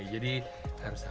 jadi harus sabar